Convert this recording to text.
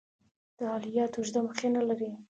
دا الهیات اوږده مخینه لري.